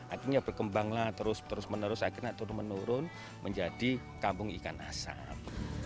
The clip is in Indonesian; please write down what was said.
artinya berkembanglah terus terus menerus akhirnya turun menurun menjadi kampung ikan asap